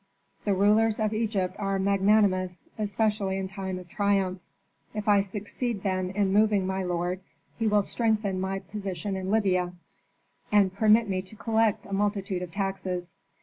The rulers of Egypt are magnanimous, especially in time of triumph. If I succeed then in moving my lord he will strengthen my position in Libya, and permit me to collect a multitude of taxes.